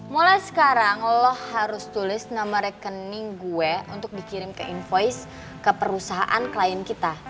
mulai sekarang lo harus tulis nama rekening gue untuk dikirim ke invoice ke perusahaan klien kita